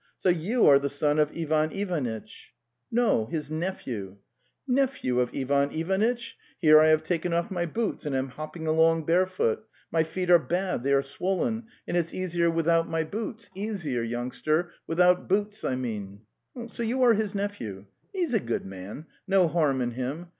So you are the son of Ivan Ivanitch? "' No; his nephew. ...'' Nephew of Ivan Ivanitch? Here I have taken off my boots and am hopping along barefoot. My feet are bad; they are swollen, and it's easier without " The Steppe pHiy: my boots... easier, youngster ... without boots, I mean. ... So youare hisnephew? He is a good man; no harm in him.